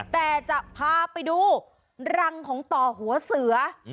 แต่จะพาไปดูรังของต่อหัวเสือ